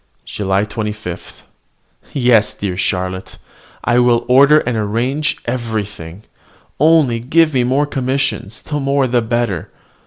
JULY 25. Yes, dear Charlotte! I will order and arrange everything. Only give me more commissions, the more the better.